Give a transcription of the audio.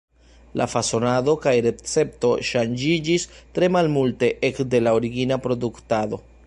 La fasonado kaj recepto ŝanĝiĝis tre malmulte ekde la origina produktado.